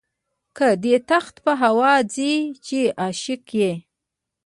که دي تخت په هوا ځي چې عاشق یې.